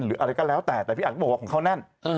หรืออะไรก็แล้วแต่แต่พี่อัดก็บอกว่าของเขาแน่น